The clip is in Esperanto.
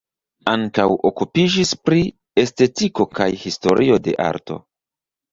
Ankaŭ okupiĝis pri estetiko kaj historio de arto.